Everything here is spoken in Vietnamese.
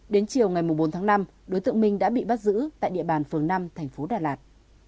đến chiều ngày bốn tháng năm đối tượng minh đã bị bắt giữ tại địa bàn phường năm thành phố đà lạt